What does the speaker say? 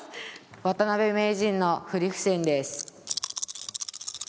渡辺名人の振り歩先です。